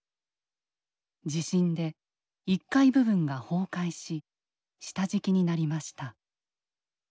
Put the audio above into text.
地震で１階部分が崩壊し下敷きになりました。